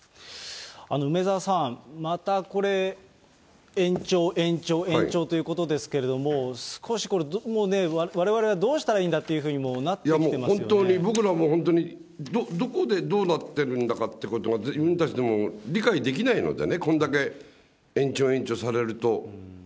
梅沢さん、またこれ、延長、延長、延長ということですけれども、少しこれ、もうわれわれはどうしたらいいんだっていうふうになってきてますいや、もっと本当に、僕らも本当に、どこでどうなっているんだかっていうのが、自分たちでも理解できないのでね、こんだけ延長、延長されると。